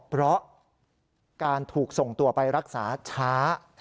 เพราะการถูกส่งตัวไปรักษาช้า